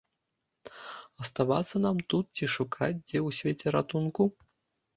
Аставацца нам тут ці шукаць дзе ў свеце ратунку?